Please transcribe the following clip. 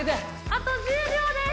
あと１０秒です。